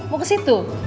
mau ke situ